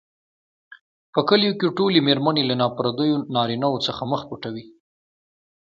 په کلیو کې ټولې مېرمنې له نا پردیو نارینوو څخه مخ پټوي.